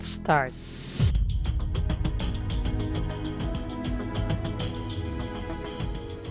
tapi sudah desa